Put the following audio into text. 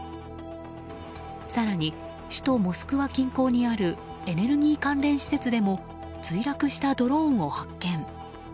更に首都モスクワ近郊にあるエネルギー関連施設でも墜落したドローンを発見。